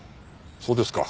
そうですか。